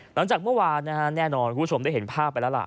หลังจากเมื่อวานนะฮะแน่นอนคุณผู้ชมได้เห็นภาพไปแล้วล่ะ